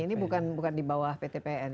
ini bukan di bawah pt pn itu semua